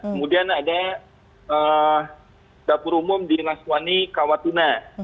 kemudian ada dapur umum di naswani kawatuna